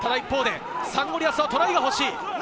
サンゴリアスはトライがほしい。